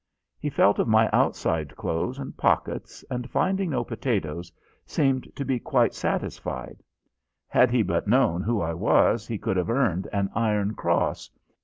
He felt of my outside clothes and pockets, and, finding no potatoes, seemed to be quite satisfied. Had he but known who I was he could have earned an iron cross!